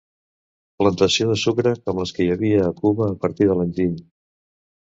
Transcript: Plantació de sucre com les que hi havia a Cuba a partir de l'enginy.